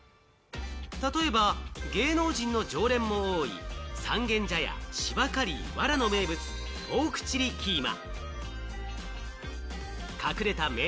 例えば芸能人の常連も多い三軒茶屋・シバカリーワラの名物ポークチリキーマ。